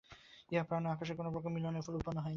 ইহা প্রাণ ও আকাশের কোন প্রকার মিলনের ফলে উৎপন্ন হয় নাই।